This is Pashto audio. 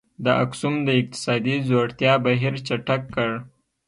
د اکسوم د اقتصادي ځوړتیا بهیر چټک کړ.